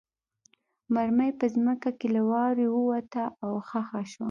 مرمۍ په ځمکه کې له واورې ووته او خښه شوه